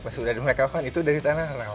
pas udah mereka kan itu dari tanah